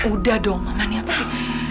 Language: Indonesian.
udah dong mama nih apa sih